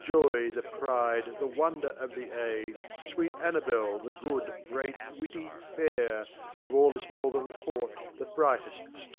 Joy, the Pride, the wonder of the Age, Sweet Annabel the good 5 great^vitty, fair ; (Ofall this Northern Court, thebrighteft Star) * Sir R.